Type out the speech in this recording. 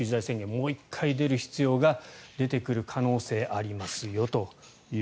もう１回出る必要が出てくる可能性がありますよと。